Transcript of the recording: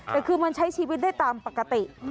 แต่คือมันใช้ชีวิตได้ตามปกติ